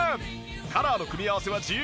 カラーの組み合わせは自由。